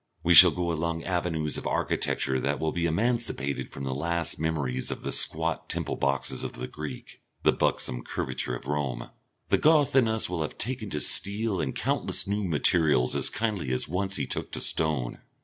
We shall go along avenues of architecture that will be emancipated from the last memories of the squat temple boxes of the Greek, the buxom curvatures of Rome; the Goth in us will have taken to steel and countless new materials as kindly as once he took to stone.